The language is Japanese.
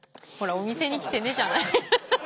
「お店に来てね」じゃない。